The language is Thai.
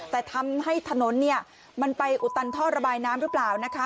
แต่ทำให้ถนนมันไปอุตันท่อระบายน้ำหรือเปล่านะคะ